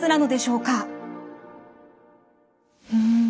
うん。